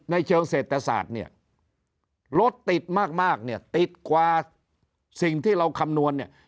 ในเชิงเศรษฐศาสตร์เนี่ยรถติดมากเนี่ยติดกว่าสิ่งที่เราคำนวณเนี่ย